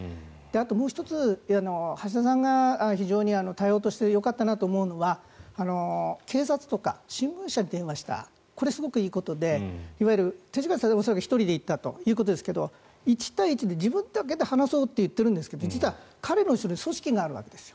あともう１つ、橋田さんが非常に対応としてよかったなと思うのは警察とか新聞社に電話したこれはすごくいいことでいわゆる勅使河原さんは恐らく１人で行ったということですが１対１で自分だけで話そうと言っているんですが実は彼の後ろには組織があるわけです。